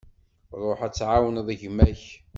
Ruḥ ad tɛawneḍ gma-k.